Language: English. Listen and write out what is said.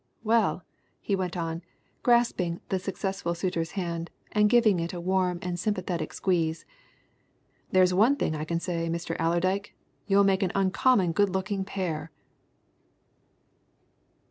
Well," he went on, grasping the successful suitor's hand, and giving it a warm and sympathetic squeeze, "there's one thing I can say, Mr. Allerdyke you'll make an uncommon good looking pair!"